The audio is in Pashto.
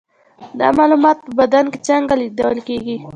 دا معلومات په بدن کې څنګه لیږدول کیږي